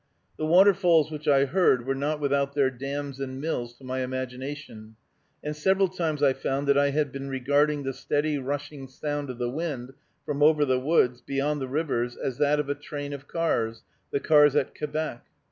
The waterfalls which I heard were not without their dams and mills to my imagination; and several times I found that I had been regarding the steady rushing sound of the wind from over the woods beyond the rivers as that of a train of cars, the cars at Quebec.